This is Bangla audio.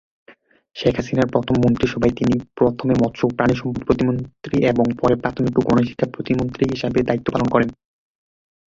শেখ হাসিনার প্রথম মন্ত্রিসভায় তিনি প্রথমে মৎস্য ও প্রাণিসম্পদ প্রতিমন্ত্রী এবং পরে প্রাথমিক ও গণশিক্ষা প্রতিমন্ত্রী হিসেবে দায়িত্ব পালন করেন।